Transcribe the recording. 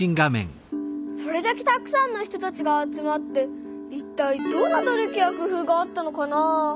それだけたくさんの人たちが集まっていったいどんな努力や工夫があったのかなあ？